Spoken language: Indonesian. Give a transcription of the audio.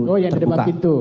oh yang di depan pintu